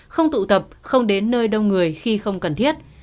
không tụ tập không đến nơi đông người khi không cần thiết